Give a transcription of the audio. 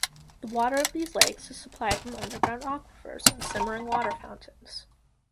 The water of these lakes is supplied from underground aquifers and simmering water fountains.